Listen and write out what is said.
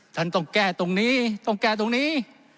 ท่านต้องแก้ตรงนี้ต้องแก้ตรงนี้